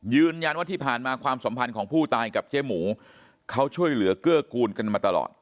ยืนยันว่าที่ผ่านมาความสัมพันธ์ของผู้ตายกับเจ๊หมูเขาช่วยเหลือเกื้อกูลกันมาตลอด